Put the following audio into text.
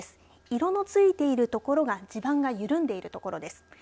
色のついているところが地盤が緩んでいるところです。